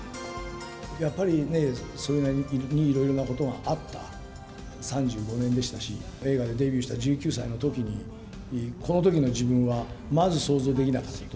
やっぱりね、それなりにいろいろなことがあった３５年でしたし、映画でデビューした１９歳のときに、このときの自分はまず想像できなかったと。